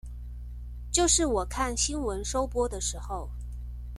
就是我看新聞收播的時候